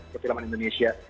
ke film indonesia